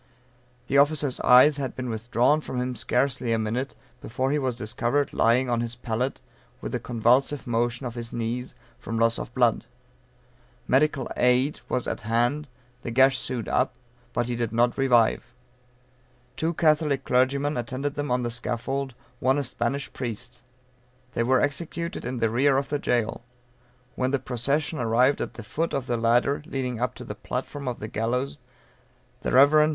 The officer's eyes had been withdrawn from him scarcely a minute, before he was discovered lying on his pallet, with a convulsive motion of his knees, from loss of blood. Medical aid was at hand, the gash sewed up, but he did not revive. Two Catholic clergymen attended them on the scaffold, one a Spanish priest. They were executed in the rear of the jail. When the procession arrived at the foot of the ladder leading up to the platform of the gallows the Rev. Mr.